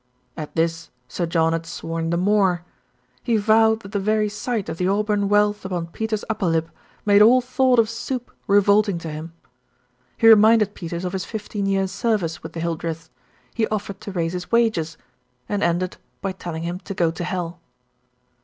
At this Sir John had sworn the more. He vowed that the very sight of the auburn wealth upon Peters' upper lip made all thought of soup revolting to him. He reminded Peters of his fifteen years' service with the Hildreths, he offered to raise his wages, and ended by telling him to go to hell.